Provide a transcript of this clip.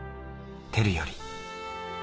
てるより。